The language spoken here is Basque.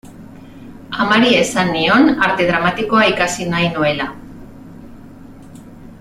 Amari esan nion Arte Dramatikoa ikasi nahi nuela.